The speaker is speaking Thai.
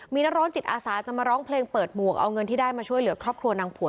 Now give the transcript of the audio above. มีนักร้องจิตอาสาจะมาร้องเพลงเปิดหมวกเอาเงินที่ได้มาช่วยเหลือครอบครัวนางผัว